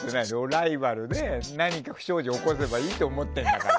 ライバルで何か不祥事起こせばいいって思ってんだから。